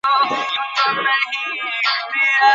ঠিক আছে, তুমি জানো কিভাবে এটি ব্যবহার করতে হয়?